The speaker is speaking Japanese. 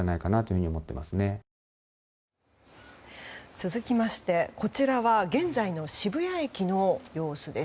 続きまして、こちらは現在の渋谷駅の様子です。